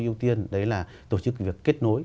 ưu tiên đấy là tổ chức việc kết nối